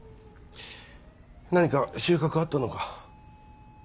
何か収穫はあったのか？